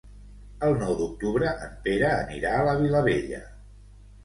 El nou d'octubre en Pere anirà a la Vilavella.